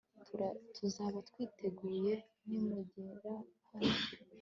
Tuzaba twiteguye nimugera hano